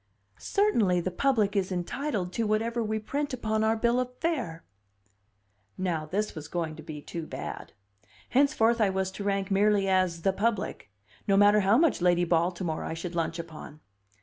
"Certainly the public is entitled to whatever we print upon our bill of fare." Now this was going to be too bad! Henceforth I was to rank merely as "the public," no matter how much Lady Baltimore I should lunch upon!